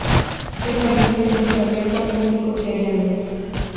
El jardín se encuentra abierto al público diariamente.